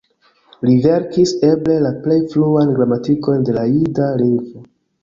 Li verkis eble la plej fruan gramatikon de la jida lingvo.